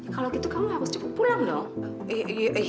kalau gitu kamu harus cukup pulang dong